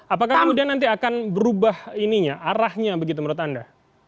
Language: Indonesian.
apakah kemudian nanti akan berubah ininya arahnya begitu menurut anda